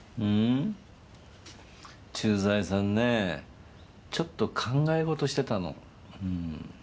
ん？駐在さんねちょっと考え事してたの。